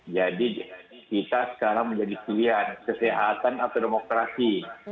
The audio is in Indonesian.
jadi kita sekarang menjadi pilihan kesehatan atau demokrasi